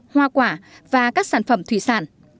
hoa quả và các sản phẩm thủy sản